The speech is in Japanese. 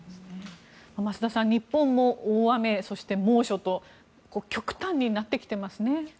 増田さん日本も大雨、猛暑と極端になってきてますね。